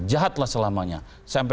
jahatlah selamanya sampai